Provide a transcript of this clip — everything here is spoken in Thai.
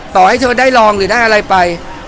ต่อให้เธอได้รองหรือได้อะไรไป